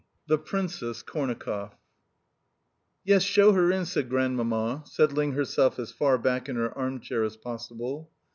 XVII THE PRINCESS KORNAKOFF "Yes, show her in," said Grandmamma, settling herself as far back in her arm chair as possible.